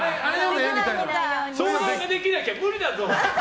相談ができなきゃ無理だぞ！